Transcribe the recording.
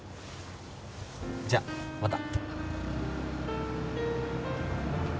じゃあまた。